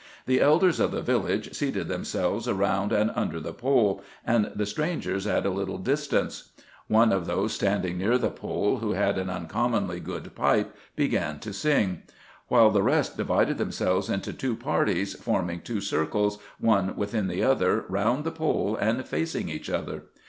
The elders of the village seated them selves around and under the pole, and the strangers at a little distance. One of those standing near the pole, who had an un D 18 RESEARCHES AND OPERATIONS commonly good pipe, began to sing ; while the rest divided them selves into two parties, forming two circles, one within the other, round the pole and facing each other.